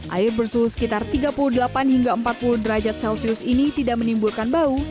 air bersuhu sekitar tiga puluh delapan hingga empat puluh derajat celcius ini tidak menimbulkan bau